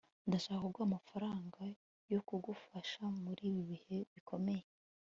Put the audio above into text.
ndashaka kuguha amafaranga yo kugufasha muri ibi bihe bikomeye